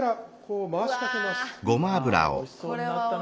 うわおいしそうになったな。